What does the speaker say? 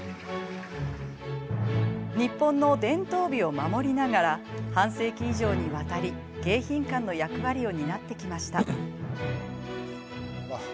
日本の伝統美を守りながら半世紀以上にわたり迎賓館の役割を担ってきました。